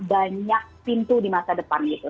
banyak pintu di masa depan gitu